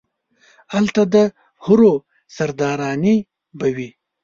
الته ده حورو سرداراني به وي